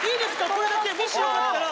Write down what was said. これだけもしよかったら。